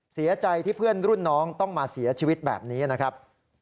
เสียใจที่เพื่อนรุ่นน้องต้องมาเสียชีวิตแบบนี้นะครับ